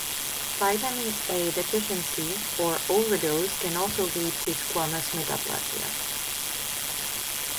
Vitamin A deficiency or overdose can also lead to squamous metaplasia.